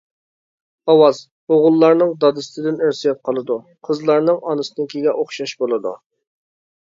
ئاۋاز: ئوغۇللارنىڭ دادىسىدىن ئىرسىيەت قالىدۇ، قىزلارنىڭ ئانىسىنىڭكىگە ئوخشاش بولىدۇ.